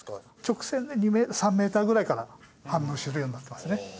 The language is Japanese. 直線で３メーターぐらいから反応するようになってますね。